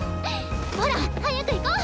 ほら早く行こう！